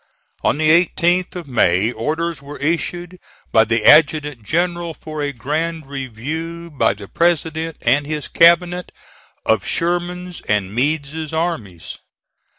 On the 18th of May orders were issued by the adjutant general for a grand review by the President and his cabinet of Sherman's and Meade's armies.